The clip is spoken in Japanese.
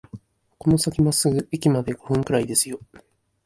この先まっすぐ、駅まで五分くらいですよ